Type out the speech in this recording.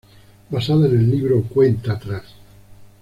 Basada en el libro "Cuenta atrás.